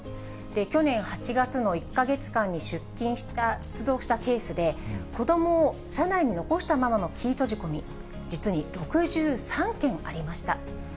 去年８月の１か月間に出動したケースで、子どもを車内に残したままのキー閉じ込み、実に６３件ありました。